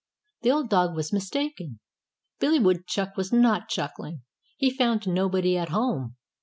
The old dog was mistaken. Billy Woodchuck was not chuckling. He found nobody at home.